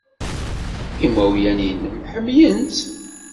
Imawlan-nnem ḥemmlen-tt.